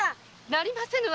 なりませぬ若。